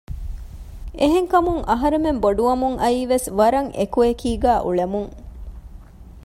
އެހެންކަމުން އަހަރުމެން ބޮޑުވަމުން އައީވެސް ވަރަށް އެކު އެކީގައި އުޅެމުން